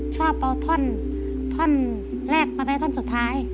ชอบเอาท่อนแรกมาเป็นท่อนสุดท้าย